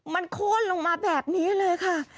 มันโค้นลงมาแบบนี้เลยค่ะ